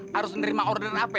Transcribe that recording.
harus nerima order apa ya